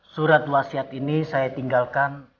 surat wasiat ini saya tinggalkan